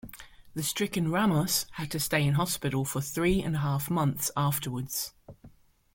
The stricken Ramos had to stay in hospital for three-and-a-half months afterwards.